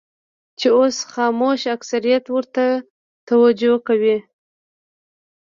چې اوس خاموش اکثریت ورته توجه کوي.